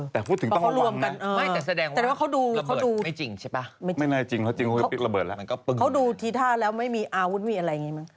แต่พูดถึงต้องเอาหวังนะ